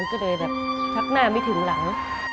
นัดีแล้วทักหน้าไม่ถึงหลัง